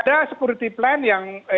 dan mereka menilai